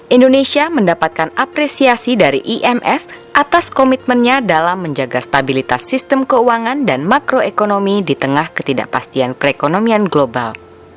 indonesia mendapatkan apresiasi dari imf atas komitmennya dalam menjaga stabilitas sistem keuangan dan makroekonomi di tengah ketidakpastian perekonomian global